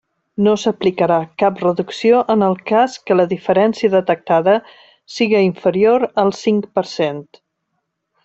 No s'aplicarà cap reducció en el cas que la diferència detectada siga inferior al cinc per cent.